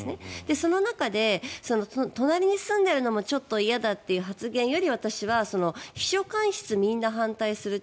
その中で隣に住んでいるのもちょっと嫌だという発言より私は秘書官室みんな反対するって